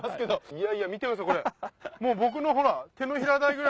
いやいや見てくださいこれ。